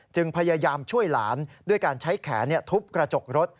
พยายามช่วยหลานด้วยการใช้แขนทุบกระจกรถ